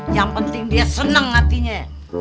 yang penting dia seneng hatinya